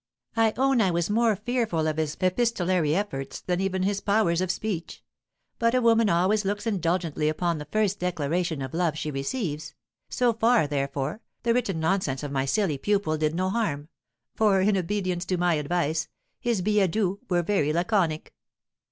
I own I was more fearful of his epistolary efforts than even his powers of speech; but a woman always looks indulgently upon the first declaration of love she receives; so far, therefore, the written nonsense of my silly pupil did no harm, for, in obedience to my advice, his billets doux were very laconic.